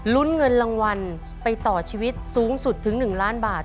ลุ้นเงินรางวัลไปต่อชีวิตสูงสุดถึง๑ล้านบาท